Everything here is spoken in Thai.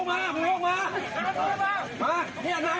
มันจะหล่อโทษต่อไปไหน